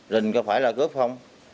rình có phải là cướp không